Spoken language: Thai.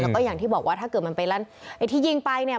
แล้วก็อย่างที่บอกว่าถ้าเกิดมันไปลั่นไอ้ที่ยิงไปเนี่ย